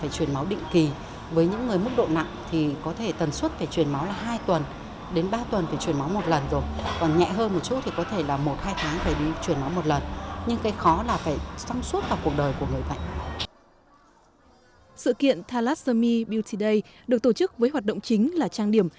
sự kiện tha lát sơ mi beauty day được tổ chức với hoạt động chính là trang điểm